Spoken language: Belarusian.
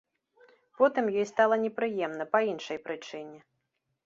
Потым ёй стала непрыемна па іншай прычыне.